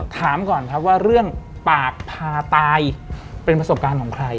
ถามก่อนครับว่าเรื่องปากพาตายเป็นประสบการณ์ของใคร